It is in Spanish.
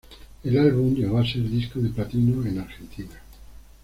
El álbum llegó a ser disco de platino en Argentina.